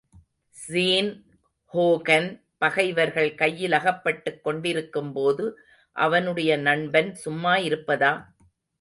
Sean Hogan பகைவர்கள் கையில் அகப்பட்டுக் கொண்டிருக்கும்போது, அவனுடைய நண்பன் சும்மா இருப்பதா?